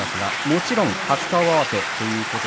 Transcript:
もちろん初顔合わせ。